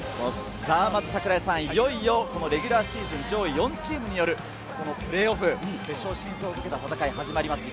櫻井さん、いよいよレギュラーシーズン上位４チームによるプレーオフ決勝進出を懸けた戦いが始まります。